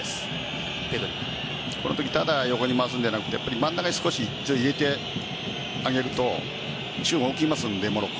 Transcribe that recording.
このときただ横に回すんじゃなくて真ん中に少し入れてあげると動きますので、モロッコ。